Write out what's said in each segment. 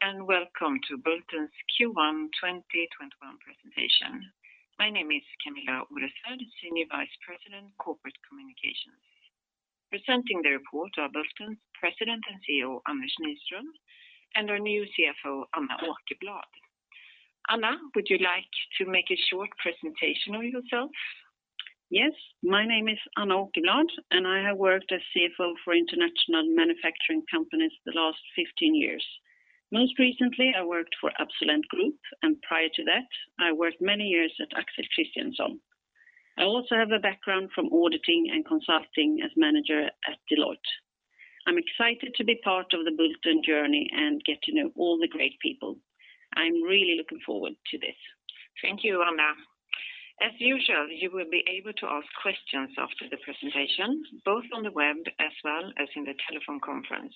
Hello, welcome to Bulten's Q1 2021 presentation. My name is Kamilla Oresvärd, Senior Vice President, Corporate Communications. Presenting the report are Bulten President and CEO, Anders Nyström, and our new CFO, Anna Åkerblad. Anna, would you like to make a short presentation of yourself? Yes. My name is Anna Åkerblad. I have worked as CFO for international manufacturing companies the last 15 years. Most recently, I worked for Absolent Group. Prior to that, I worked many years at Axel Christiernsson. I also have a background from auditing and consulting as manager at Deloitte. I'm excited to be part of the Bulten journey and get to know all the great people. I'm really looking forward to this. Thank you, Anna. As usual, you will be able to ask questions after the presentation, both on the web as well as in the telephone conference.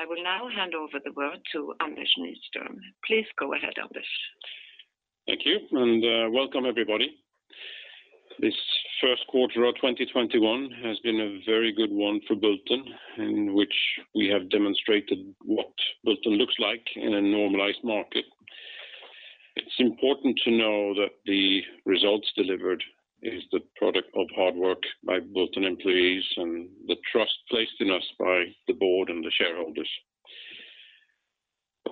I will now hand over the word to Anders Nyström. Please go ahead, Anders. Thank you, welcome everybody. This first quarter of 2021 has been a very good one for Bulten, in which we have demonstrated what Bulten looks like in a normalized market. It's important to know that the results delivered is the product of hard work by Bulten employees and the trust placed in us by the board and the shareholders.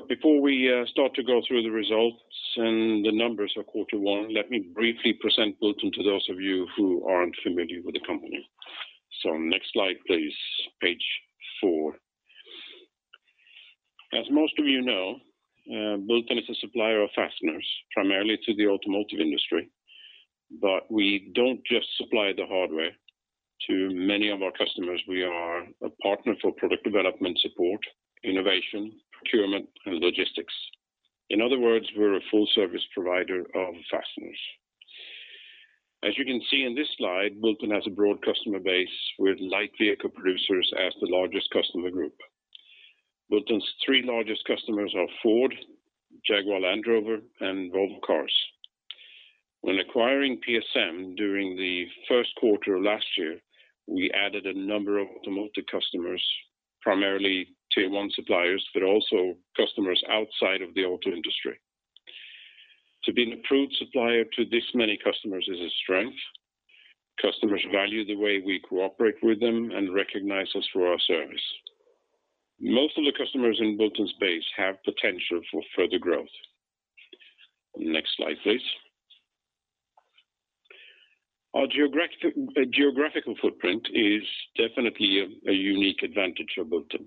Before we start to go through the results and the numbers of quarter one, let me briefly present Bulten to those of you who aren't familiar with the company. Next slide, please, page four. As most of you know, Bulten is a supplier of fasteners, primarily to the automotive industry. We don't just supply the hardware. To many of our customers, we are a partner for product development support, innovation, procurement, and logistics. In other words, we're a full service provider of fasteners. As you can see in this slide, Bulten has a broad customer base with light vehicle producers as the largest customer group. Bulten's three largest customers are Ford, Jaguar Land Rover, and Volvo Cars. When acquiring PSM during the first quarter of last year, we added a number of automotive customers, primarily tier 1 suppliers, but also customers outside of the auto industry. To be an approved supplier to this many customers is a strength. Customers value the way we cooperate with them and recognize us for our service. Most of the customers in Bulten's base have potential for further growth. Next slide, please. Our geographical footprint is definitely a unique advantage for Bulten.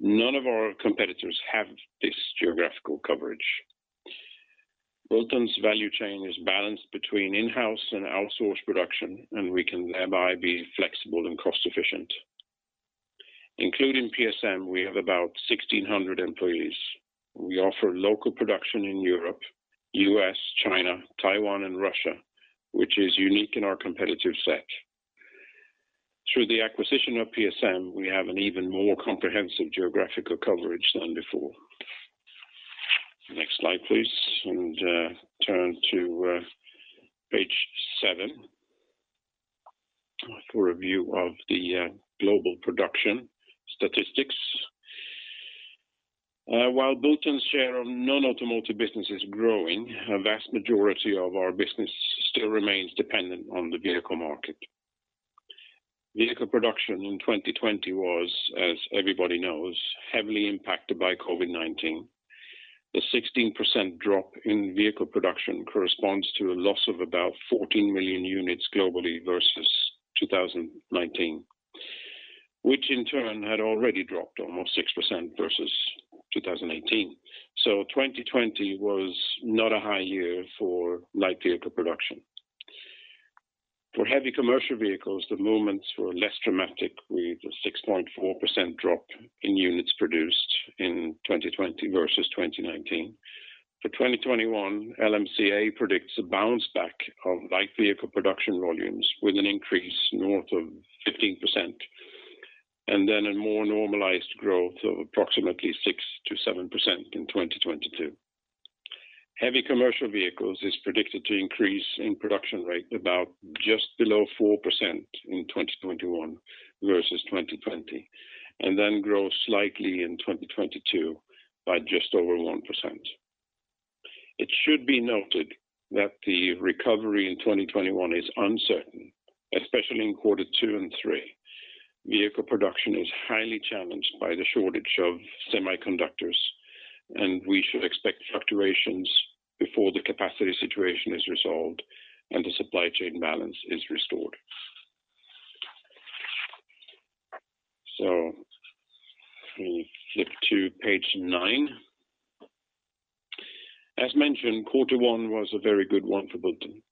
None of our competitors have this geographical coverage. Bulten's value chain is balanced between in-house and outsourced production, and we can thereby be flexible and cost efficient. Including PSM, we have about 1,600 employees. We offer local production in Europe, U.S., China, Taiwan, and Russia, which is unique in our competitive set. Through the acquisition of PSM, we have an even more comprehensive geographical coverage than before. Next slide, please. Turn to page seven for a view of the global production statistics. While Bulten's share of non-automotive business is growing, a vast majority of our business still remains dependent on the vehicle market. Vehicle production in 2020 was, as everybody knows, heavily impacted by COVID-19. The 16% drop in vehicle production corresponds to a loss of about 14 million units globally versus 2019, which in turn had already dropped almost 6% versus 2018. 2020 was not a high year for light vehicle production. For heavy commercial vehicles, the movements were less dramatic with a 6.4% drop in units produced in 2020 versus 2019. For 2021, LMCA predicts a bounce back of light vehicle production volumes with an increase north of 15%, and then a more normalized growth of approximately 6%-7% in 2022. Heavy commercial vehicles is predicted to increase in production rate about just below 4% in 2021 versus 2020, and then grow slightly in 2022 by just over 1%. It should be noted that the recovery in 2021 is uncertain, especially in quarter two and three. Vehicle production is highly challenged by the shortage of semiconductors, and we should expect fluctuations before the capacity situation is resolved and the supply chain balance is restored. We'll flip to page nine. As mentioned, quarter one was a very good one for Bulten.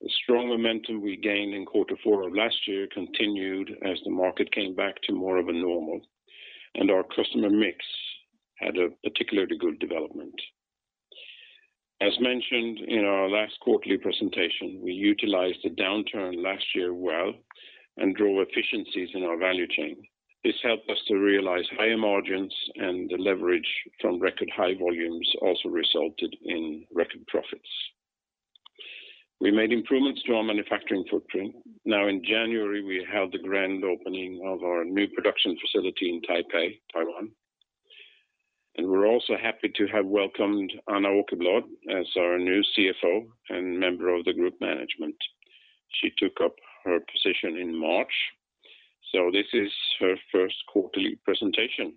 The strong momentum we gained in quarter four of last year continued as the market came back to more of a normal, and our customer mix had a particularly good development. As mentioned in our last quarterly presentation, we utilized the downturn last year well and drove efficiencies in our value chain. This helped us to realize higher margins, and the leverage from record high volumes also resulted in record profits. We made improvements to our manufacturing footprint. Now in January, we held the grand opening of our new production facility in Taipei, Taiwan. We're also happy to have welcomed Anna Åkerblad as our new CFO and member of the group management. She took up her position in March, so this is her first quarterly presentation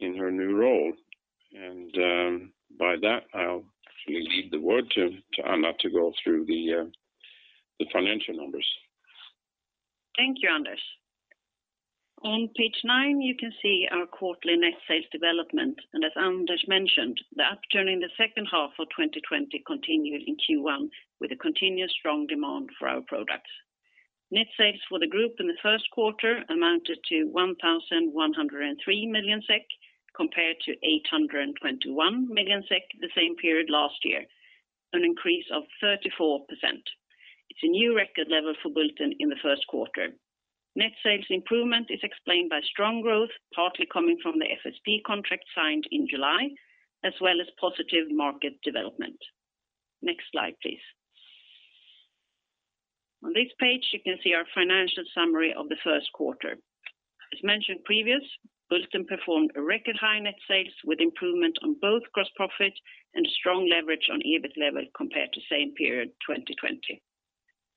in her new role. By that, I'll actually leave the word to Anna to go through the financial numbers. Thank you, Anders. On page nine, you can see our quarterly net sales development. As Anders mentioned, the upturn in the second half of 2020 continued in Q1 with a continuous strong demand for our products. Net sales for the group in the first quarter amounted to 1,103 million SEK, compared to 821 million SEK the same period last year, an increase of 34%. It's a new record level for Bulten in the first quarter. Net sales improvement is explained by strong growth, partly coming from the FSP contract signed in July, as well as positive market development. Next slide, please. On this page, you can see our financial summary of the first quarter. As mentioned previous, Bulten performed a record high net sales with improvement on both gross profit and strong leverage on EBIT level compared to same period 2020.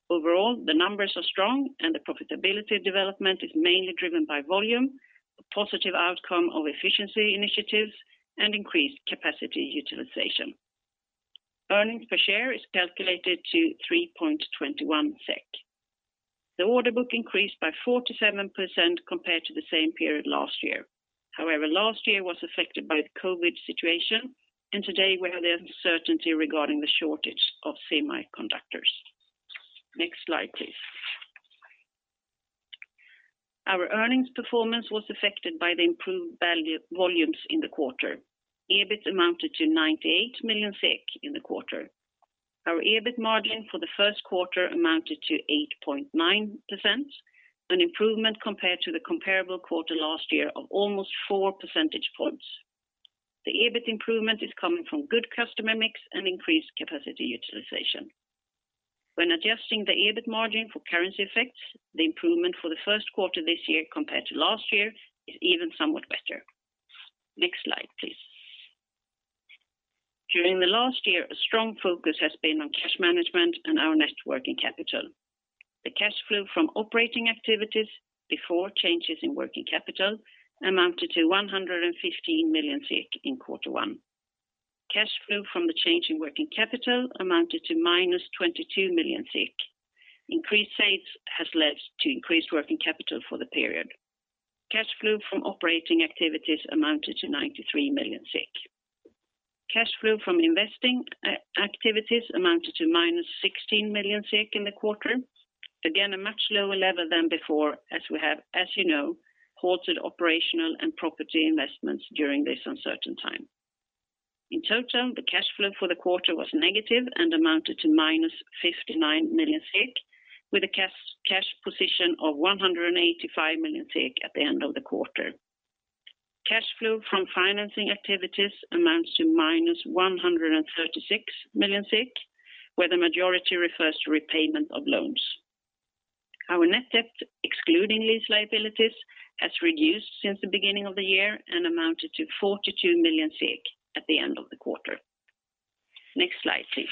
Overall, the numbers are strong, and the profitability development is mainly driven by volume, a positive outcome of efficiency initiatives, and increased capacity utilization. Earnings per share is calculated to 3.21 SEK. The order book increased by 47% compared to the same period last year. However, last year was affected by the COVID situation, and today we have the uncertainty regarding the shortage of semiconductors. Next slide, please. Our earnings performance was affected by the improved volumes in the quarter. EBIT amounted to 98 million SEK in the quarter. Our EBIT margin for the first quarter amounted to 8.9%, an improvement compared to the comparable quarter last year of almost 4 percentage points. The EBIT improvement is coming from good customer mix and increased capacity utilization. When adjusting the EBIT margin for currency effects, the improvement for the first quarter this year compared to last year is even somewhat better. Next slide, please. During the last year, a strong focus has been on cash management and our net working capital. The cash flow from operating activities before changes in working capital amounted to 115 million SEK in quarter one. Cash flow from the change in working capital amounted to minus 22 million. Increased sales has led to increased working capital for the period. Cash flow from operating activities amounted to 93 million. Cash flow from investing activities amounted to minus 16 million in the quarter. Again, a much lower level than before, as we have, as you know, halted operational and property investments during this uncertain time. In total, the cash flow for the quarter was negative and amounted to minus 59 million SEK, with a cash position of 185 million SEK at the end of the quarter. Cash flow from financing activities amounts to minus 136 million SEK, where the majority refers to repayment of loans. Our net debt, excluding lease liabilities, has reduced since the beginning of the year and amounted to 42 million SEK at the end of the quarter. Next slide, please.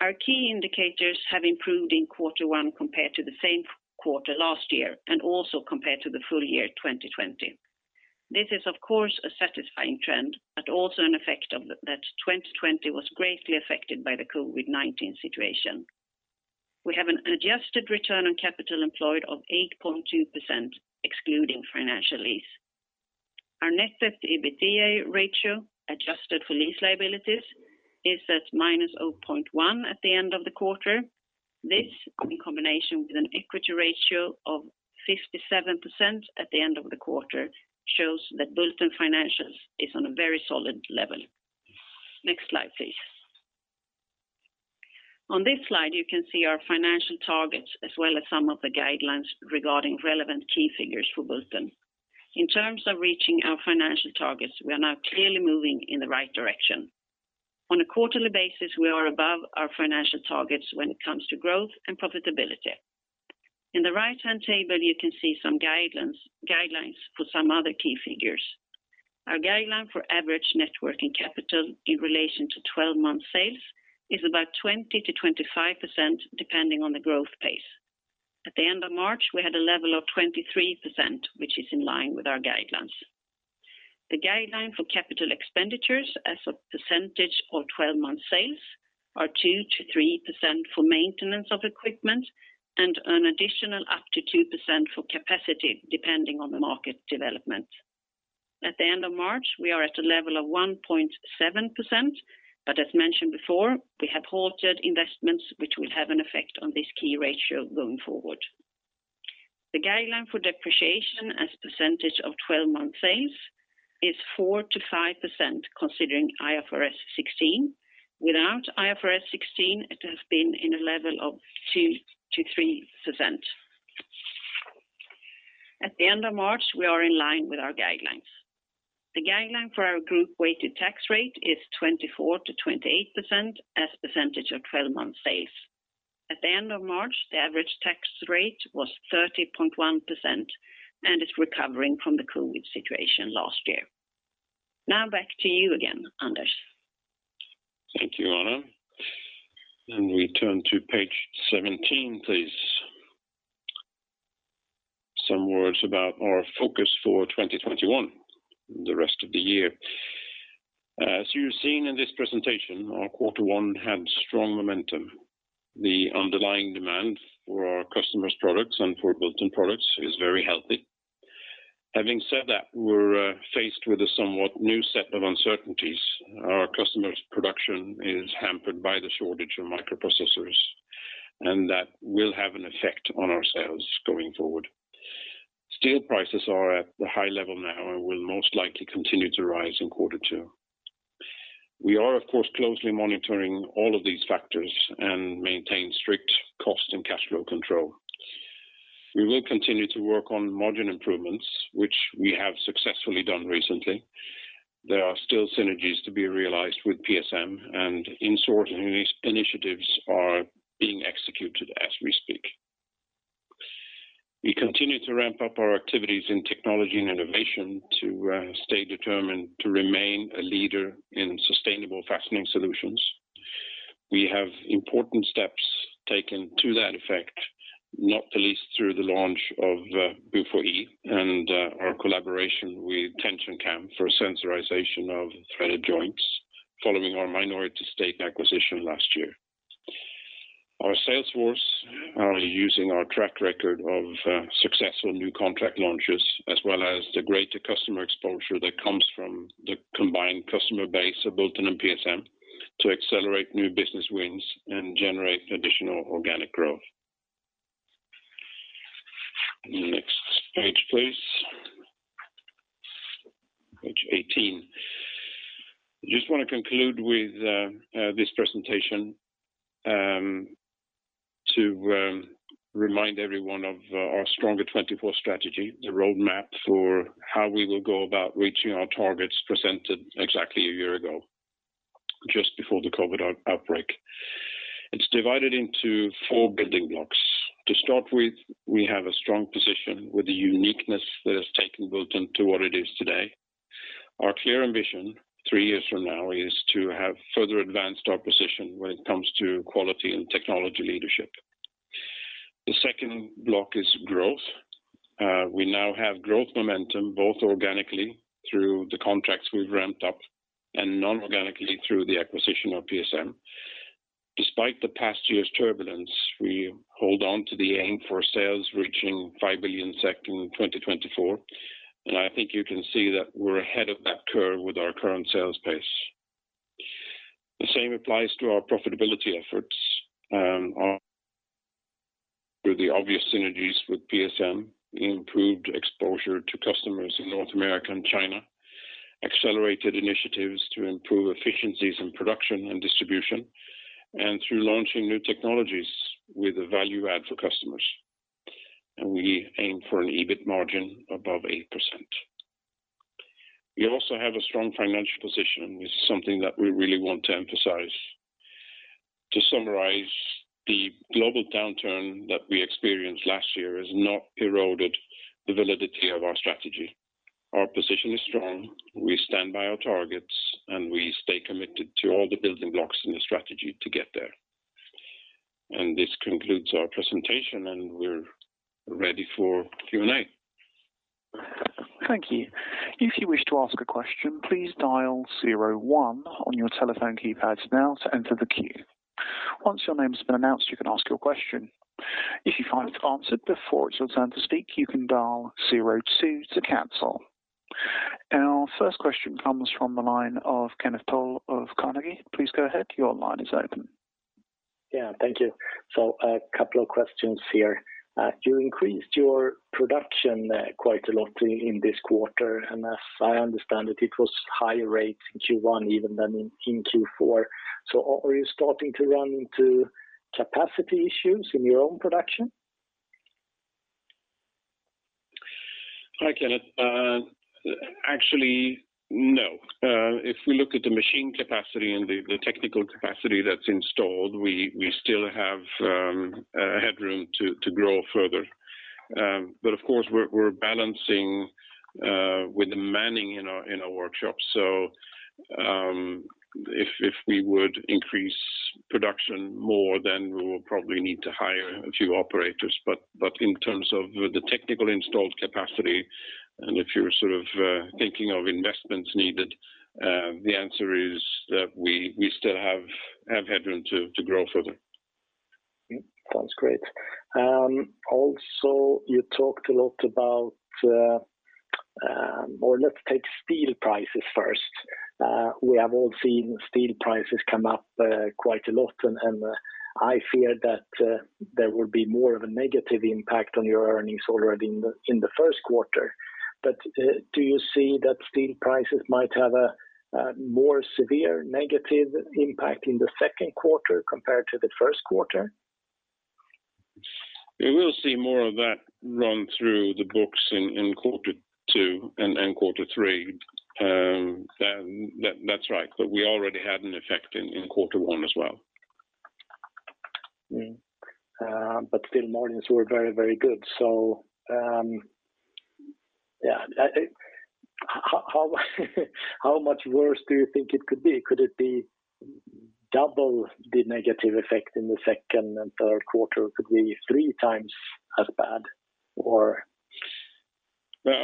Our key indicators have improved in quarter one compared to the same quarter last year and also compared to the full year 2020. This is, of course, a satisfying trend, but also an effect that 2020 was greatly affected by the COVID-19 situation. We have an adjusted return on capital employed of 8.2%, excluding financial lease. Our net debt to EBITDA ratio, adjusted for lease liabilities, is at minus 0.1 at the end of the quarter. This, in combination with an equity ratio of 57% at the end of the quarter, shows that Bulten financials is on a very solid level. Next slide, please. On this slide, you can see our financial targets as well as some of the guidelines regarding relevant key figures for Bulten. In terms of reaching our financial targets, we are now clearly moving in the right direction. On a quarterly basis, we are above our financial targets when it comes to growth and profitability. In the right-hand table, you can see some guidelines for some other key figures. Our guideline for average net working capital in relation to 12-month sales is about 20%-25%, depending on the growth pace. At the end of March, we had a level of 23%, which is in line with our guidelines. The guideline for capital expenditures as a percentage of 12-month sales are 2%-3% for maintenance of equipment and an additional up to 2% for capacity, depending on the market development. At the end of March, we are at a level of 1.7%. As mentioned before, we have halted investments, which will have an effect on this key ratio going forward. The guideline for depreciation as a percentage of 12-month sales is 4%-5% considering IFRS 16. Without IFRS 16, it has been in a level of 2%-3%. At the end of March, we are in line with our guidelines. The guideline for our group weighted tax rate is 24%-28% as percentage of 12-month sales. At the end of March, the average tax rate was 30.1% and is recovering from the COVID situation last year. Back to you again, Anders. Thank you, Anna. We turn to page 17, please. Some words about our focus for 2021, the rest of the year. As you've seen in this presentation, our quarter one had strong momentum. The underlying demand for our customers' products and for Bulten products is very healthy. Having said that, we're faced with a somewhat new set of uncertainties. Our customers' production is hampered by the shortage of microprocessors, and that will have an effect on our sales going forward. Steel prices are at the high level now and will most likely continue to rise in quarter two. We are, of course, closely monitoring all of these factors and maintain strict cost and cash flow control. We will continue to work on margin improvements, which we have successfully done recently. There are still synergies to be realized with PSM, and in-source initiatives are being executed as we speak. We continue to ramp up our activities in technology and innovation to stay determined to remain a leader in sustainable fastening solutions. We have important steps taken to that effect, not the least through the launch of BUFOe and our collaboration with TensionCam for sensorization of threaded joints following our minority stake acquisition last year. Our sales force are using our track record of successful new contract launches, as well as the greater customer exposure that comes from the combined customer base of Bulten and PSM to accelerate new business wins and generate additional organic growth. Next page, please. Page 18. I just want to conclude with this presentation to remind everyone of our Stronger 24 strategy, the roadmap for how we will go about reaching our targets presented exactly a year ago, just before the COVID-19 outbreak. It's divided into four building blocks. To start with, we have a strong position with the uniqueness that has taken Bulten to what it is today. Our clear ambition three years from now is to have further advanced our position when it comes to quality and technology leadership. The second block is growth. We now have growth momentum, both organically through the contracts we've ramped up, and non-organically through the acquisition of PSM. Despite the past year's turbulence, we hold on to the aim for sales reaching 5 billion SEK in 2024, and I think you can see that we're ahead of that curve with our current sales pace. The same applies to our profitability efforts through the obvious synergies with PSM, improved exposure to customers in North America and China, accelerated initiatives to improve efficiencies in production and distribution, and through launching new technologies with a value add for customers. We aim for an EBIT margin above 8%. We also have a strong financial position, something that we really want to emphasize. To summarize, the global downturn that we experienced last year has not eroded the validity of our strategy. Our position is strong. We stand by our targets, and we stay committed to all the building blocks in the strategy to get there. This concludes our presentation, and we're ready for Q&A. Thank you. If you wish to ask a question, please dial zero one on your telephone keypad now to enter the queue. Once your name has been announced, you can ask your question. If you find it answered before it's your turn to speak, you can dial zero two to cancel. Our first question comes from the line of Kenneth Toll of Carnegie. Please go ahead. Your line is open. Yeah, thank you. A couple of questions here. You increased your production quite a lot in this quarter, and as I understand it was higher rates in Q1 even than in Q4. Are you starting to run into capacity issues in your own production? Hi, Kenneth. Actually, no. If we look at the machine capacity and the technical capacity that's installed, we still have headroom to grow further. Of course, we're balancing with the manning in our workshops. If we would increase production more, then we will probably need to hire a few operators. In terms of the technical installed capacity, and if you're thinking of investments needed, the answer is that we still have headroom to grow further. Sounds great. Let's take steel prices first. We have all seen steel prices come up quite a lot, and I fear that there will be more of a negative impact on your earnings already in the first quarter. Do you see that steel prices might have a more severe negative impact in the second quarter compared to the first quarter? We will see more of that run through the books in quarter two and quarter three. That's right. We already had an effect in quarter one as well. Still margins were very good. Yeah. How much worse do you think it could be? Could it be double the negative effect in the second and third quarter? Could be 3x as bad or? Well,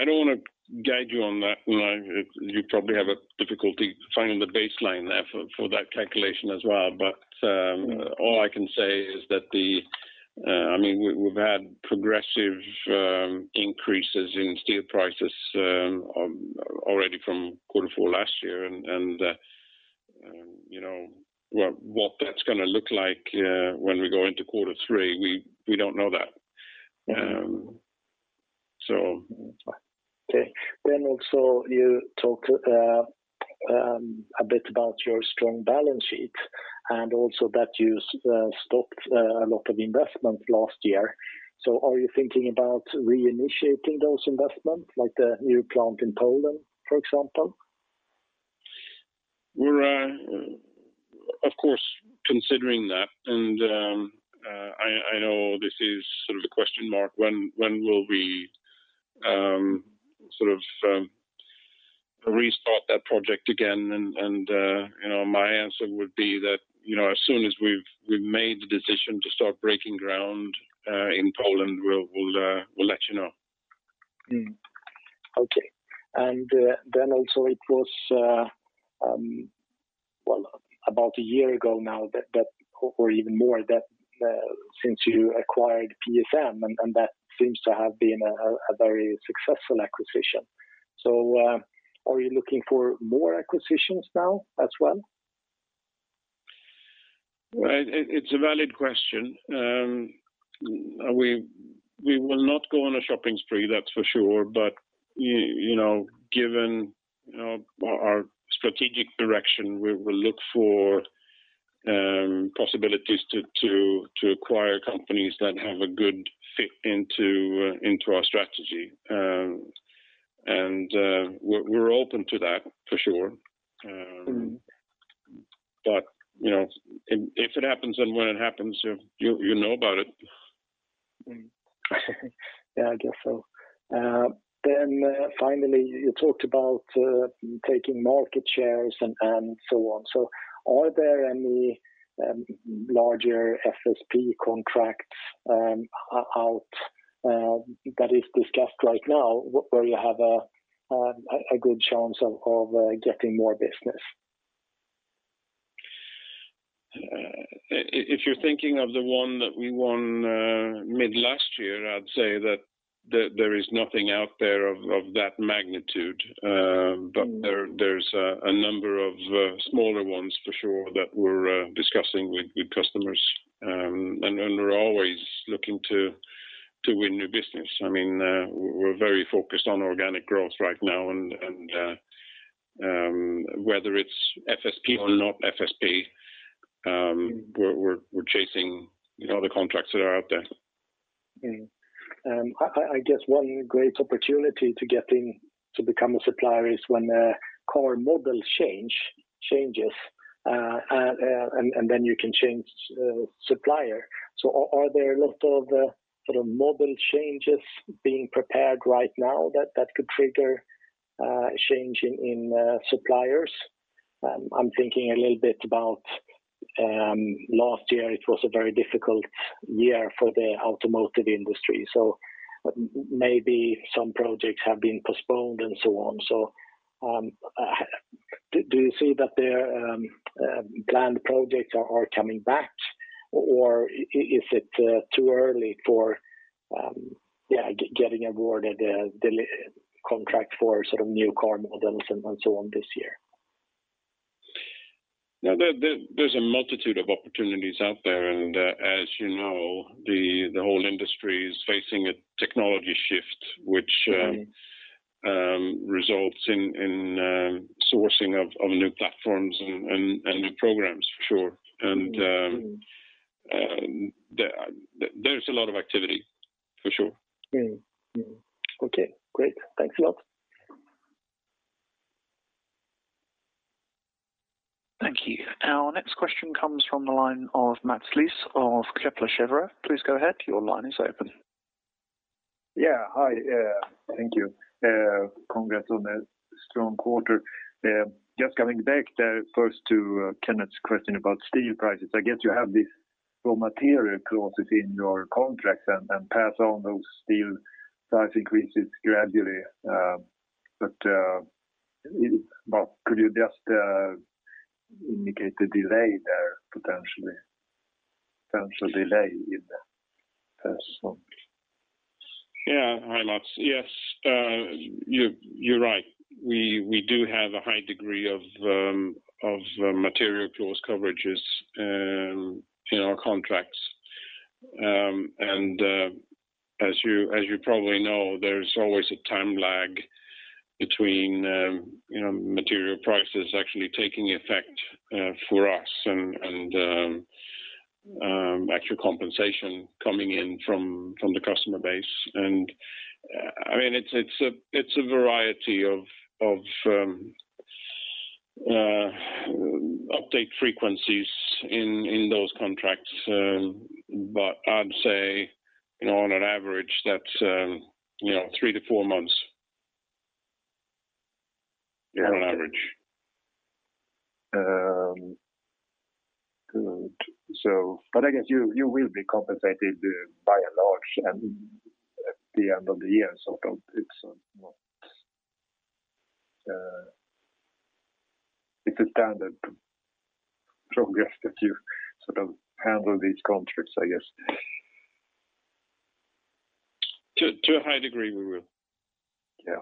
I don't want to guide you on that. You probably have a difficulty finding the baseline there for that calculation as well. All I can say is that we've had progressive increases in steel prices already from quarter four last year and what that's going to look like when we go into quarter three, we don't know that. Okay. Also you talked a bit about your strong balance sheet and also that you stopped a lot of investments last year. Are you thinking about reinitiating those investments, like the new plant in Poland, for example? We're of course considering that. I know this is sort of the question mark, when will we sort of restart that project again? My answer would be that as soon as we've made the decision to start breaking ground, in Poland, we'll let you know. Okay. Also it was, well, about a year ago now, or even more, since you acquired PSM, and that seems to have been a very successful acquisition. Are you looking for more acquisitions now as well? Well, it's a valid question. We will not go on a shopping spree, that's for sure. Given our strategic direction, we will look for possibilities to acquire companies that have a good fit into our strategy. We're open to that for sure. If it happens and when it happens, you'll know about it. Yeah, I guess so. Finally, you talked about taking market shares and so on. Are there any larger FSP contracts out that is discussed right now where you have a good chance of getting more business? If you're thinking of the one that we won mid last year, I'd say that there is nothing out there of that magnitude. There's a number of smaller ones for sure that we're discussing with customers. We're always looking to win new business. We're very focused on organic growth right now, and whether it's FSP or not FSP, we're chasing the contracts that are out there. I guess one great opportunity to get in to become a supplier is when a core model changes, you can change supplier. Are there a lot of sort of model changes being prepared right now that could trigger a change in suppliers? I am thinking a little bit about last year, it was a very difficult year for the automotive industry, maybe some projects have been postponed and so on. Do you see that their planned projects are coming back or is it too early for getting awarded a contract for sort of new car models and so on this year? No, there's a multitude of opportunities out there, and as you know, the whole industry is facing a technology shift, which results in sourcing of new platforms and new programs for sure. There's a lot of activity, for sure. Okay, great. Thanks a lot. Thank you. Our next question comes from the line of Mats Liss of Kepler Cheuvreux. Please go ahead, your line is open. Yeah. Hi, thank you. Congrats on a strong quarter. Just coming back there first to Kenneth's question about steel prices. I guess you have this raw material clauses in your contracts and pass on those steel price increases gradually. Could you just indicate the delay there potentially? Potential delay in that as well? Yeah. Hi, Mats. Yes, you're right. We do have a high degree of material clause coverages in our contracts. As you probably know, there's always a time lag between material prices actually taking effect for us and actual compensation coming in from the customer base. It's a variety of update frequencies in those contracts. I'd say, on an average, that's three to four months. Yeah, on average. Good. I guess you will be compensated by and large at the end of the year, sort of. It's a standard progress that you sort of handle these contracts, I guess. To a high degree, we will. Yeah.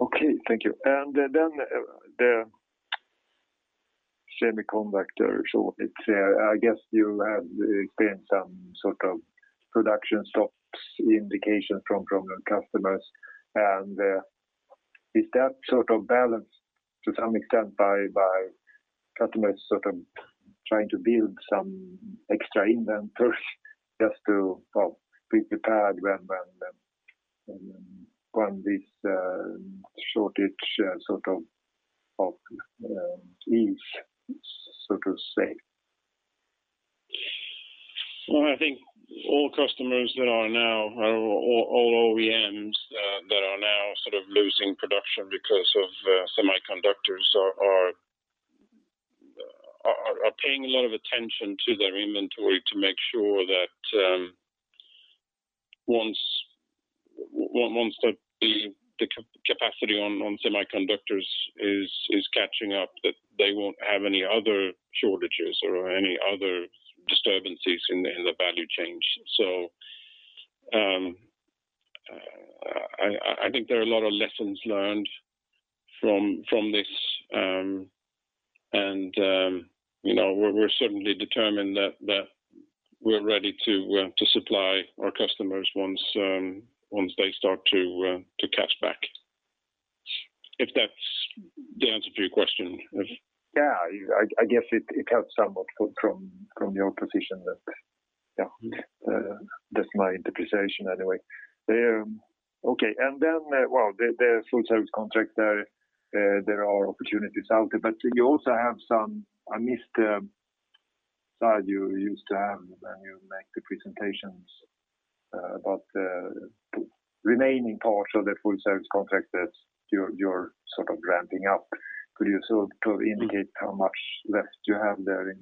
Okay. Thank you. The semiconductor. I guess you have experienced some sort of production stops indication from the customers. Is that sort of balanced to some extent by customers sort of trying to build some extra inventory just to be prepared when this shortage sort of leaves, so to say? Well, I think all customers that are now, all OEMs that are now sort of losing production because of semiconductors are paying a lot of attention to their inventory to make sure that once the capacity on semiconductors is catching up, that they won't have any other shortages or any other disturbances in the value chain. I think there are a lot of lessons learned from this, and we're certainly determined that we're ready to supply our customers once they start to catch back. If that's the answer to your question? I guess it helps somewhat from your position. That's my interpretation anyway. Okay. Well, the full service contract there are opportunities out there, but I missed the slide you used to have when you make the presentations about the remaining part of the full service contract that you're sort of ramping up. Could you sort of indicate how much left you have there in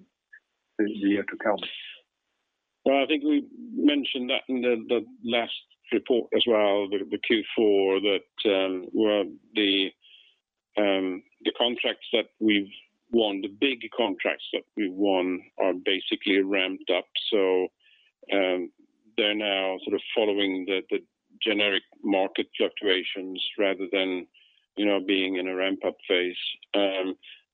the year to come? Well, I think we mentioned that in the last report as well, the Q4, that, well, the contracts that we've won, the big contracts that we've won are basically ramped up. They're now sort of following the generic market fluctuations rather than being in a ramp-up phase.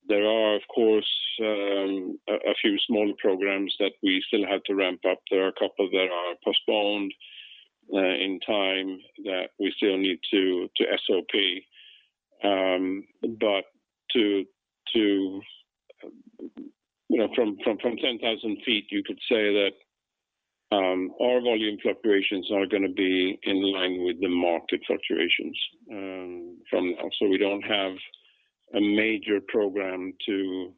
There are, of course, a few small programs that we still had to ramp up. There are a couple that are postponed in time that we still need to SOP. From 10,000 ft, you could say that our volume fluctuations are going to be in line with the market fluctuations from now. We don't have a major program to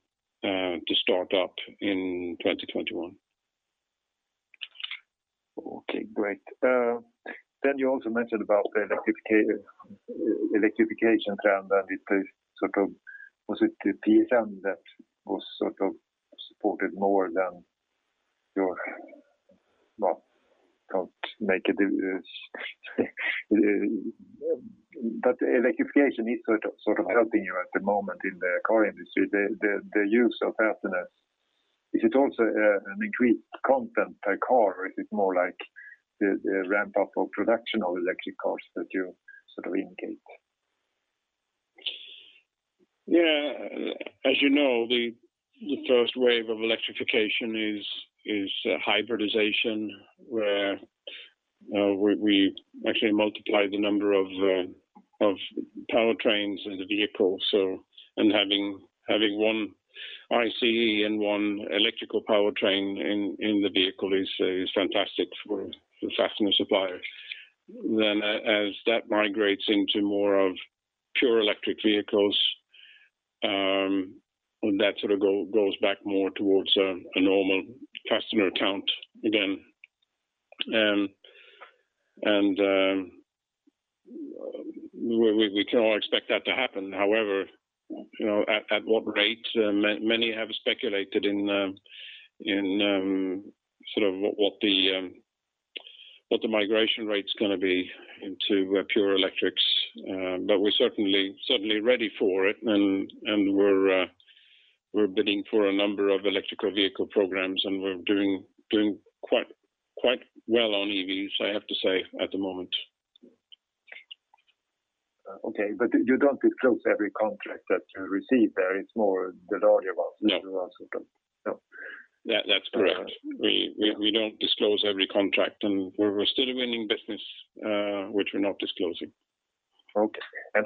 start up in 2021. Okay, great. You also mentioned about the electrification trend and the sort of positive theme that was sort of supported more than your, well, not negative. Electrification is sort of helping you at the moment in the car industry, the use of fasteners. Is it also an increased content per car, or is it more like the ramp-up of production of electric cars that you sort of indicate? Yeah. As you know, the first wave of electrification is hybridization, where we actually multiply the number of powertrains in the vehicle. Having one ICE and one electrical powertrain in the vehicle is fantastic for fastener suppliers. As that migrates into more of pure electric vehicles, that sort of goes back more towards a normal fastener count again. We can all expect that to happen. However, at what rate? Many have speculated in sort of what the migration rate's going to be into pure electrics. We're certainly ready for it and we're bidding for a number of electrical vehicle programs, and we're doing quite well on EVs, I have to say, at the moment. Okay. You don't disclose every contract that you receive there. It's more the larger ones. No. That you announce, sort of. Yeah. That's correct. We don't disclose every contract, and we're still winning business which we're not disclosing. Okay.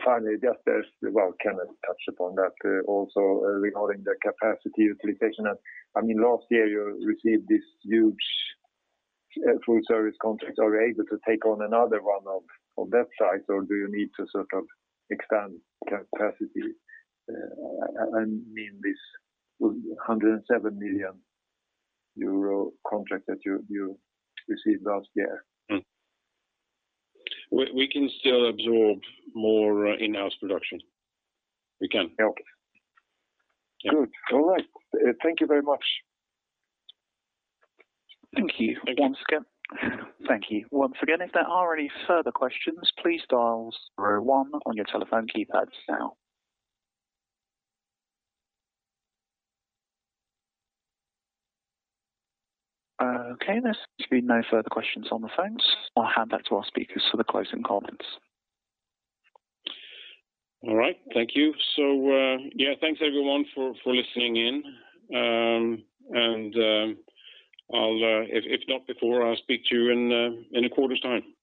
Finally, just as, well, Kenneth touched upon that also regarding the capacity utilization. Last year you received this huge full service contract. Are you able to take on another one of that size, or do you need to sort of expand capacity? I mean this 107 million euro contract that you received last year. We can still absorb more in-house production. We can. Okay. Good. All right. Thank you very much. Thank you. Thank you. Okay, there seems to be no further questions on the phones. I'll hand back to our speakers for the closing comments. All right. Thank you. Yeah, thanks everyone for listening in. If not before, I'll speak to you in a quarter's time.